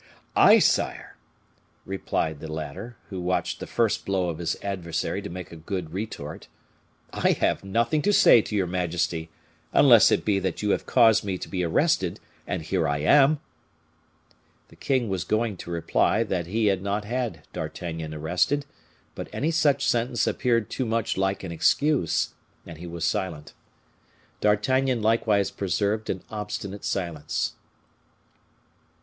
"I, sire!" replied the latter, who watched the first blow of his adversary to make a good retort; "I have nothing to say to your majesty, unless it be that you have caused me to be arrested, and here I am." The king was going to reply that he had not had D'Artagnan arrested, but any such sentence appeared too much like an excuse, and he was silent. D'Artagnan likewise preserved an obstinate silence.